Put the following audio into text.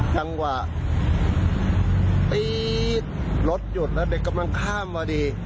ทั้งว่ารถหยุดแล้วเด็กกำลังข้ามพอดี